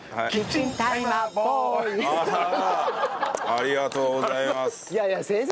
ありがとうございます。